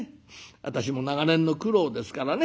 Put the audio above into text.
私も長年の苦労ですからね。